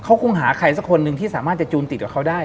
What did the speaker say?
เขาคงหาใครสักคนหนึ่งที่สามารถจะจูนติดกับเขาได้